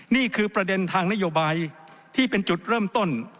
นี่คือประเด็นทางนโยบายที่เป็นจุดเริ่มต้น